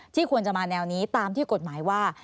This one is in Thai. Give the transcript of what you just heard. ควรจะมาแนวนี้ตามที่กฎหมายว่า